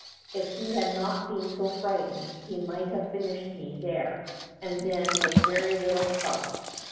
If he had not been so frightened he might have finished me there and then with very little trouble.